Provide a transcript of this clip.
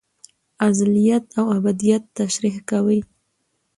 ازليت او ابديت تشريح کوي